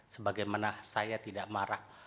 sebagai mana saya tidak marah